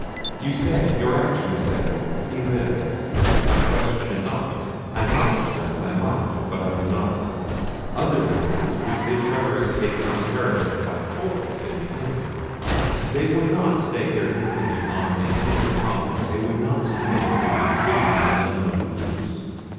You say, your actions say, he lives—I question it not—I might, Sirs, I might—but I do not. Other Princes would bid Frederic take his inheritance by force, if he can: they would not stake their dignity on a single combat: they would not submit it to the decision of unknown mutes!